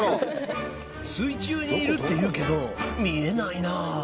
水中にいるっていうけど見えないな。